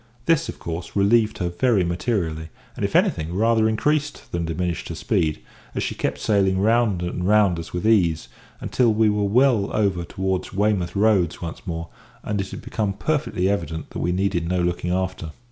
This, of course, relieved her very materially, and, if anything, rather increased than diminished her speed, as she kept sailing round and round us with ease, until we were well over towards Weymouth Roads once more, and it had become perfectly evident that we needed no looking after.